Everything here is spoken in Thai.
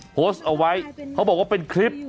โพสต์เอาไว้เขาบอกว่าเป็นคลิป